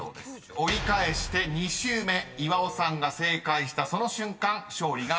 ［折り返して２周目岩尾さんが正解したその瞬間勝利が決まります］